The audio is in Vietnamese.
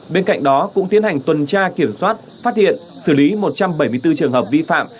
bên cạnh đó cũng tiến hành tuần tra kiểm soát phát hiện xử lý một trăm bảy mươi bốn trường hợp vi phạm